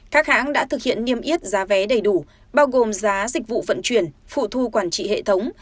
các hãng đã thực hiện niêm yết giá vé đầy đủ bao gồm giá dịch vụ vận chuyển phụ thu quản trị hệ thống